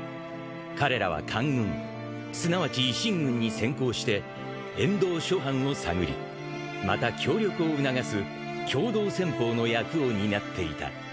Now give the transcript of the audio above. ［彼らは官軍すなわち維新軍に先行して沿道諸藩を探りまた協力を促す嚮導先鋒の役を担っていた］